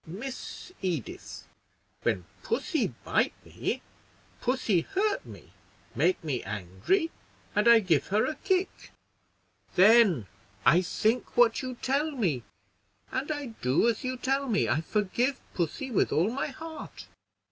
"Miss Edith, when pussy bite me, pussy hurt me, make me angry, and I give her a kick; then I think what you tell me, and I do as you tell me. I forgive pussy with all my heart."